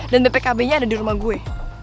dan bpkb nya ada di rumah gue